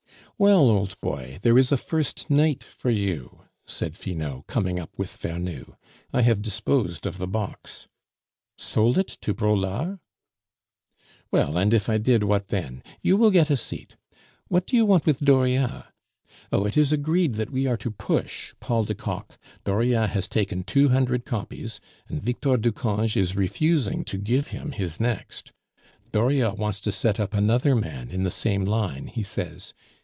"Well, old boy, there is a first night for you," said Finot, coming up with Vernou. "I have disposed of the box." "Sold it to Braulard?" "Well, and if I did, what then? You will get a seat. What do you want with Dauriat? Oh, it is agreed that we are to push Paul de Kock, Dauriat has taken two hundred copies, and Victor Ducange is refusing to give him his next. Dauriat wants to set up another man in the same line, he says.